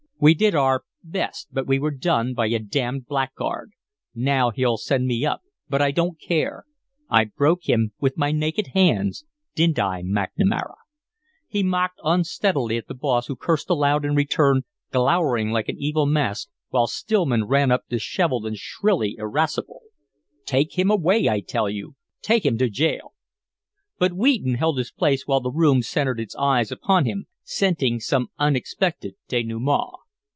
We did our best, but we were done by a damned blackguard. Now he'll send me up but I don't care. I broke him with my naked hands. Didn't I, McNamara?" He mocked unsteadily at the boss, who cursed aloud in return, glowering like an evil mask, while Stillman ran up dishevelled and shrilly irascible. "Take him away, I tell you! Take him to jail." But Wheaton held his place while the room centred its eyes upon him, scenting some unexpected denouement.